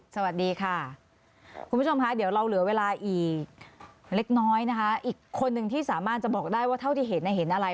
สวัสดีค่ะคุณผู้ชมค่ะเดี๋ยวเราเหลือเวลาอีกเล็กน้อยนะคะอีกคนนึงที่สามารถจะบอกได้ว่าเท่าที่เห็นเห็นอะไร